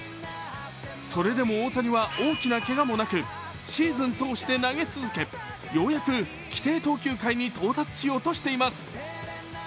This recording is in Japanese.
それでも大谷は大きなけがもなく、シーズン通して投げ続けようやく規定投球回に到達しようとしています。